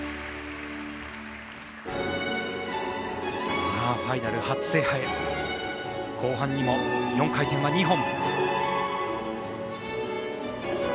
さあ、ファイナル初制覇へ後半にも４回転は２本。